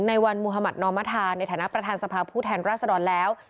ในวันมุธมัธนอมธาในฐานะประธานสภาพผู้แทนราษดรแล้ว